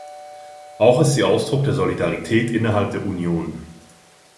Auch ist sie Ausdruck der Solidarität innerhalb der Union.